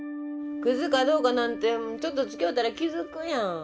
クズかどうかなんてちょっとつきおうたら気付くやん。